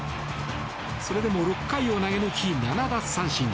それでも６回を投げ抜き７奪三振。